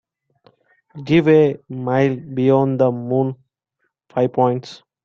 Give A Mile Beyond the Moon five points